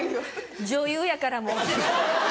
女優やからもう。